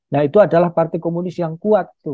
nah itu adalah partai komunis yang kuat tuh